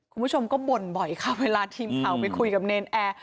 คุณผู้ชมก็บ่นบ่อยค่ะเวลาทีมข่าวไปคุยกับเนรนแอร์